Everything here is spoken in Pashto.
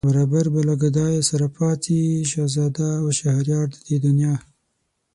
برابر به له گدايه سره پاڅي شهزاده و شهريار د دې دنیا